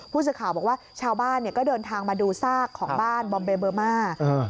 ผู้สื่อข่าวบอกว่าชาวบ้านเนี่ยก็เดินทางมาดูซากของบ้านบอมเบเบอร์มา